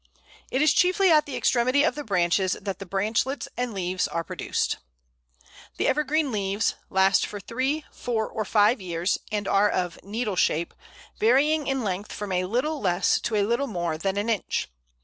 It is chiefly at the extremity of the branches that the branchlets and leaves are produced. The evergreen leaves last for three, four, or five years, and are of needle shape, varying in length from a little less to a little more than an inch.